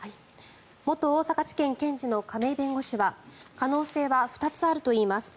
元大阪地検検事の亀井弁護士は可能性は２つあるといいます。